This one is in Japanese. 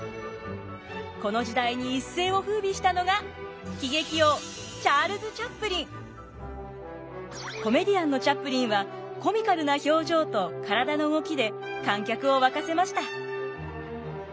この時代に一世を風靡したのがコメディアンのチャップリンはコミカルな表情と体の動きで観客を沸かせました。